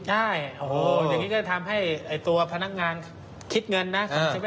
ใช่อย่างนี้ก็ทำให้ตัวพนักงานคิดเงินนะ